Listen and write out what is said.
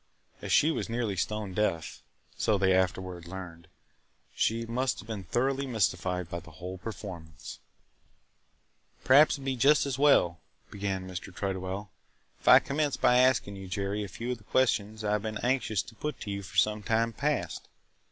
As she was nearly stone deaf (so they afterward learned) she must have been thoroughly mystified by the whole performance! "Perhaps it would be just as well," began Mr. Tredwell, "if I commence by asking you, Jerry, a few of the questions I 've been anxious to put to you for some time past.